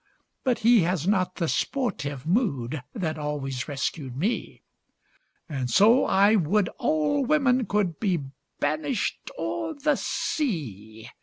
But he has not the sportive mood That always rescued me, And so I would all women could Be banished o'er the sea.